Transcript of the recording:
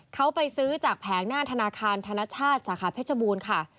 เขาไปซื้อจากแผงหน้าธนาคารธนชาติสาขาเพชรบูรณ์ค่ะ